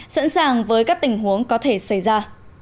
sẵn sàng với các tình huống có thể xảy ra